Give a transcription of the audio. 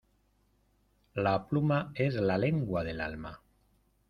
La pluma es la lengua del alma.